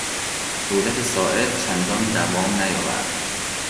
دولت ساعد چندان دوام نیاورد.